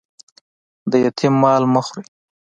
د یتيم مال مه خوري